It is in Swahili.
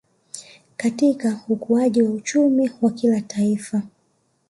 Katika ukuaji wa uchumi wa kila Taifa